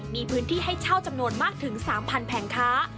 มีพื้นที่ให้เช่าจำนวนมากถึง๓๐๐แผงค้า